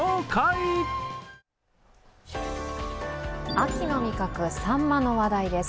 秋の味覚、さんまの話題です。